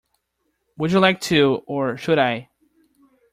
Would you like to, or should I?